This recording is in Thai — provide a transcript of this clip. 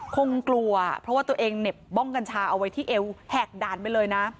คงกลัวว่าตัวเองเน็บควนนิฉฯโบงกัญชาเอาไว้ที่เอวแหกด่านไปเลยนะ